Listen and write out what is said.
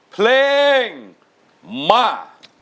เพลงมาก